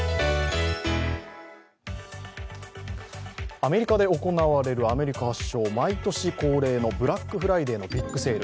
アメリカで行われるアメリカ発祥、毎年恒例のブラックフライデーのビッグセール。